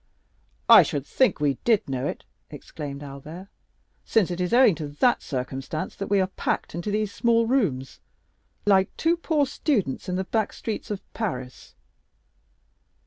"I should think we did know it," exclaimed Albert, "since it is owing to that circumstance that we are packed into these small rooms, like two poor students in the back streets of Paris."